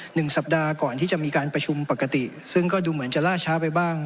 หนึ่งสัปดาห์ก่อนที่จะมีการประชุมปกติซึ่งก็ดูเหมือนจะล่าช้าไปบ้าง